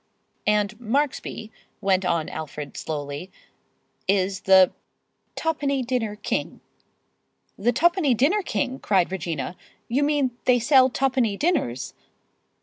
"And Marksby," went on Alfred, slowly, "is the Twopenny Dinner King." "The Twopenny Dinner King!" cried Regina. "You mean they sell twopenny dinners?"